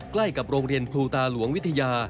ใกล้กับโรงเรียนครูตาหลวงวิทยา